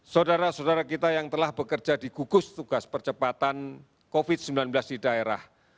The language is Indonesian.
saudara saudara kita yang telah bekerja di gugus tugas percepatan covid sembilan belas di daerah